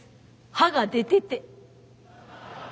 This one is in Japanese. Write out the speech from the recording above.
歯が出てて。